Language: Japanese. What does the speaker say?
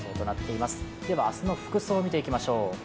明日の服装を見ていきましょう。